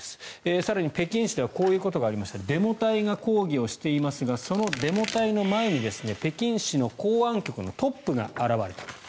更に、北京市ではこういうことがありましたデモ隊が抗議をしていますがそのデモ隊の前に北京市の公安局のトップが現れた。